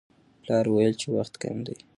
پلار وویل چې وخت کم دی.